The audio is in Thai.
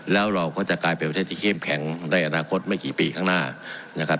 แล้วเราก็จะกลายเป็นประเทศที่เข้มแข็งในอนาคตไม่กี่ปีข้างหน้านะครับ